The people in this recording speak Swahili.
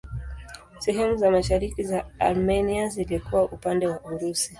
Sehemu za mashariki za Armenia zilikuwa upande wa Urusi.